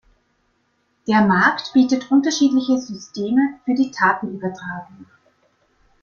Der Markt bietet unterschiedliche Systeme für die Datenübertragung.